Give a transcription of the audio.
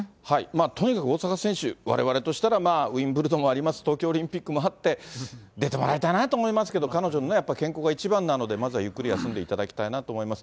とにかく大坂選手、われわれとしたらウィンブルドンもあります、東京オリンピックもあって、出てもらいたいなと思いますけど、彼女の健康が一番なので、まずはゆっくり休んでいただきたいなと思います。